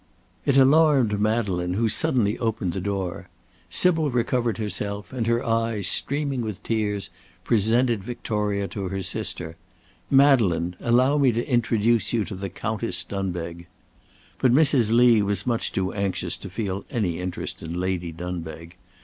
It alarmed Madeleine, who suddenly opened the door. Sybil recovered herself, and, her eyes streaming with tears, presented Victoria to her sister: "Madeleine, allow me to introduce you to the Countess Dunbeg!" But Mrs. Lee was much too anxious to feel any interest in Lady Dunbeg.